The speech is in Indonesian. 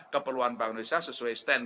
keperluan bank indonesia sesuai stand